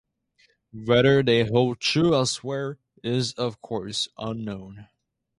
Whether they hold true elsewhere is of course unknown.